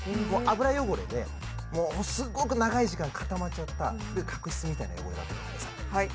油汚れでものすごく長い時間固まっちゃった古い角質みたいな汚れだと思ってください